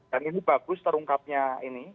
dan ini bagus terungkapnya ini